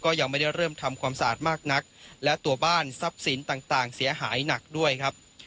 ยังไม่ได้เริ่มทำความสะอาดมากนักและตัวบ้านทรัพย์สินต่างเสียหายหนักด้วยครับ